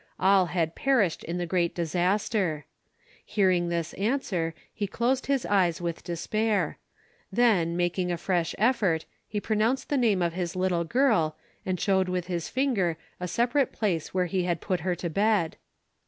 All had perished in the great disaster. Hearing this answer, he closed his eyes with despair; then, making a fresh effort, he pronounced the name of his little girl, and showed with his finger a separate place where he had put her to bed.